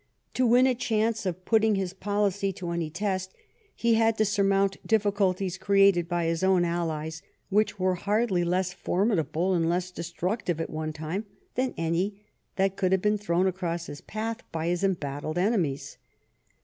To win a chance of putting his policy to any test, he had to surmount diffi culties created by his own allies, which were hardly less formidable and less obstructive at one time than any that could have been thrown across his path by his embattled enemies.